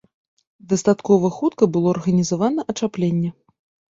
Дастаткова хутка было арганізавана ачапленне.